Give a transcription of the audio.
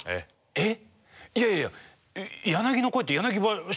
えっ？